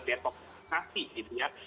diatokasi gitu ya